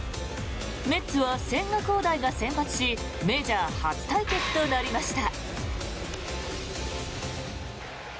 メッツは千賀滉大が先発しメジャー初対決となりました。